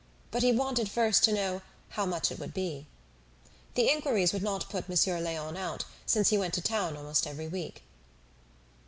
But he wanted first to know "how much it would be." The inquiries would not put Monsieur Léon out, since he went to town almost every week.